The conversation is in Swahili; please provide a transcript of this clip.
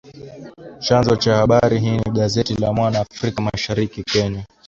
Chanzo cha habari hii ni gazeti la Mwana Afrika Mashariki, Kenya